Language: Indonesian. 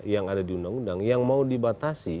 yang ada di undang undang yang mau dibatasi